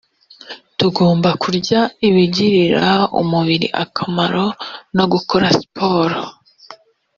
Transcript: tugomba kurya ibigirira umubiri akamaro no gukora siporo